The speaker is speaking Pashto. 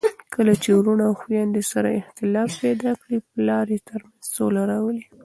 کله چي وروڼه او خويندې سره اختلاف پیدا کړي، پلار یې ترمنځ سوله راولي.